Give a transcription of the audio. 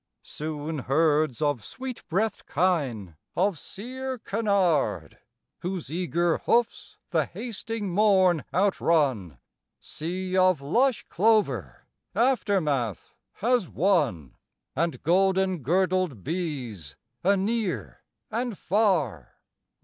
Soon herds of sweet breathed kine of sere Canard, Whose eager hoofs the hasting morn outrun, Sea of lush clover aftermath has won, And golden girdled bees anear and far.